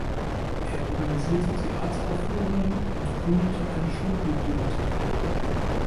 Er organisierte Theateraufführungen und gründete eine Schulbibliothek.